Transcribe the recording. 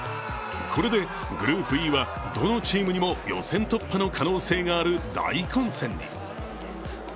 これでグループＥはどのチームにも予選突破の可能性がある大混戦に。